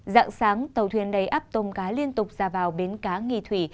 dạng sáng tàu thuyền đầy áp tôm cá liên tục ra vào bến cá nghì thủy